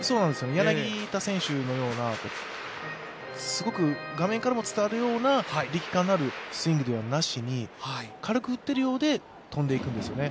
柳田選手のようなすごく画面からも伝わるような力感のあるスイングではなしに、軽く打っているようで飛んでいくんですよね。